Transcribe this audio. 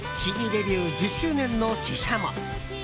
デビュー１０周年のＳＨＩＳＨＡＭＯ。